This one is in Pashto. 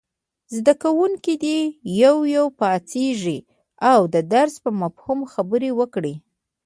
زده کوونکي دې یو یو پاڅېږي او د درس په مفهوم خبرې وکړي.